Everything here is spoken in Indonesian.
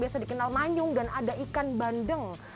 biasa dikenal manyung dan ada ikan bandeng